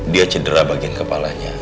dia cedera bagian kepalanya